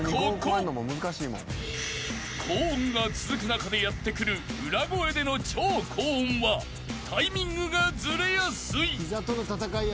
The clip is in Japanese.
［高音が続く中でやって来る裏声での超高音はタイミングがずれやすい］